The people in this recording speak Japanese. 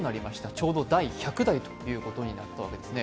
ちょうど第１００代ということになったわけですね。